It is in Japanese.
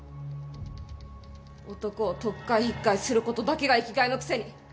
男を取っ換え引っ換えすることだけが生きがいのくせに。